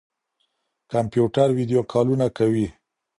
کمپيوټر ويډيو کالونه کوي.